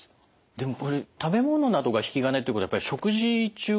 でもこれ食べ物などが引き金ってことはやっぱり食事中が多いんですか？